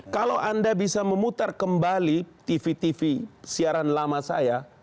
kalau anda bisa memutar kembali tv tv siaran lama saya